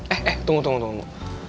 eh eh tunggu tunggu